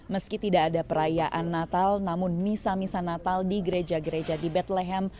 meski tidak ada perayaan natal namun misa misa natal di gereja gereja di betlehem